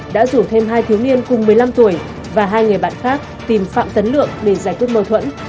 đã rủ thêm hai thiếu niên cùng một mươi năm tuổi và hai người bạn khác tìm phạm tấn lượng để giải quyết mâu thuẫn